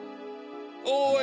おい！